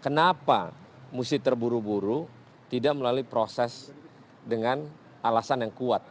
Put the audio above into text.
kenapa mesti terburu buru tidak melalui proses dengan alasan yang kuat